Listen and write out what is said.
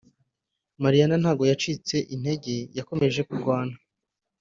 Mariyana ntago yigeze acika intege yakomeje kurwana